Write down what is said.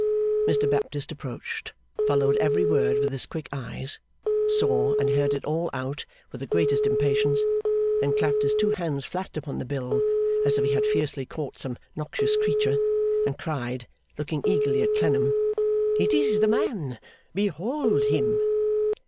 Mr Baptist approached, followed every word with his quick eyes, saw and heard it all out with the greatest impatience, then clapped his two hands flat upon the bill as if he had fiercely caught some noxious creature, and cried, looking eagerly at Clennam, 'It is the man! Behold him!